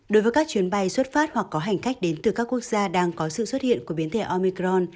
đối với các chuyến bay xuất phát hoặc có hành khách đến từ các quốc gia đang có sự xuất hiện của biến thể omicron